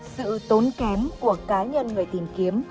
sự tốn kém của cá nhân người tìm kiếm